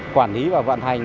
quản lý và vận hành